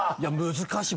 難しい。